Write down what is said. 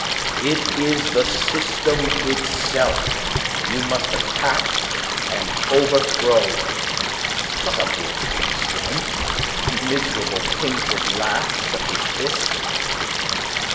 "It is the system itself you must attack and overthrow; not a mere instrument a miserable painted lath such as this.